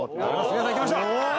皆さん行きましょう。